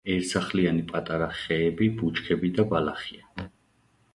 ერთსახლიანი პატარა ხეები, ბუჩქები და ბალახია.